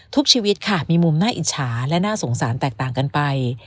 ทุกชีวิตค่ะมีมุมน่าอิจฉาและน่าสงสารแตกต่างกันไป